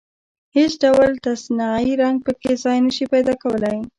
هېڅ ډول تصنعي رنګ په کې ځای نشي پيدا کولای.